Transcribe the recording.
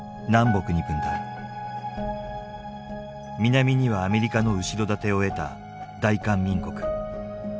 南にはアメリカの後ろ盾を得た大韓民国。